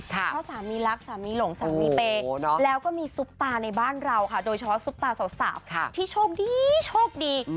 เพราะสามีรักสามีหลงสามีเปย์แล้วก็มีซุปตาในบ้านเราค่ะโดยเฉพาะซุปตาสาวที่โชคดีโชคดี